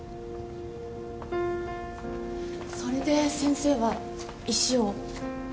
それで先生は石を？